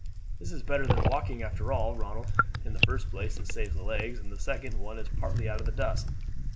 "This is better than walking after all, Ronald. In the first place it saves the legs, and in the second one is partly out of the dust."